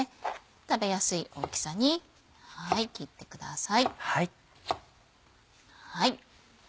食べやすい大きさに切ってください。